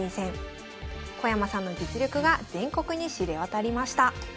小山さんの実力が全国に知れ渡りました。